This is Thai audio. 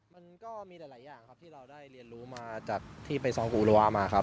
มันก็มีแต่หลายอย่างครับที่เราได้เรียนรู้มาจากที่ไปซ้อมกับอุโรวะมาครับ